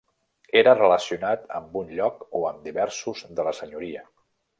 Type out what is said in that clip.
Era relacionat amb un lloc o amb diversos de la senyoria.